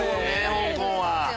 香港は。